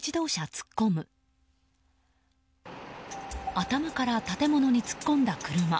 頭から建物に突っ込んだ車。